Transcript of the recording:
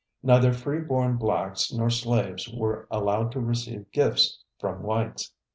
Neither free born blacks nor slaves were allowed to receive gifts from whites.